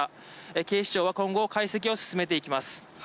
警視庁は今後解析を進めていきます。